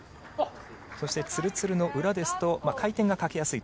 そしてつるつるの裏ですと回転がかけやすいと。